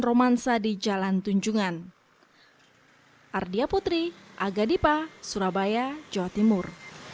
romansa di jalan tunjungan ardia putri aga dipa surabaya jawa timur